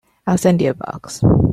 I'll send you a box.